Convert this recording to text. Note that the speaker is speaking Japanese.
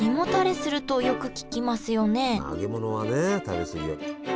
あ揚げ物はね食べ過ぎは。